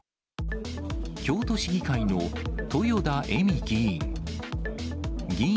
京都市議会の豊田恵美議員。